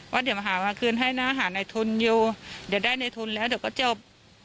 เดี๋ยวมาหามาคืนให้นะหาในทุนอยู่เดี๋ยวได้ในทุนแล้วเดี๋ยวก็จบ